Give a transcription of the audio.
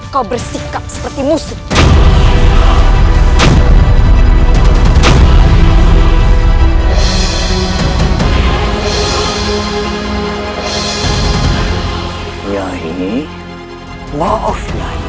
kau bersikap seperti musuh